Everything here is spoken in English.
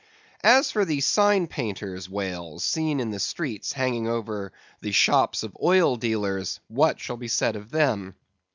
As for the sign painters' whales seen in the streets hanging over the shops of oil dealers, what shall be said of them?